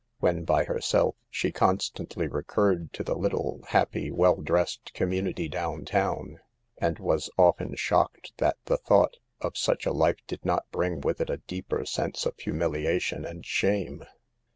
When by her self, she constantly recurred to the little, happy, well dressed community down town, and was often shocked that the thought of such a life did not bring with it a deeper sense of humiliation and shame.